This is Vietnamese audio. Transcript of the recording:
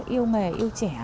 yêu mẹ yêu chị